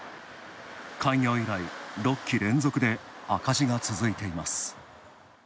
開業以来６期連続で赤字が続いています。